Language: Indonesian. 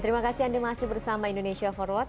terima kasih anda masih bersama indonesia for world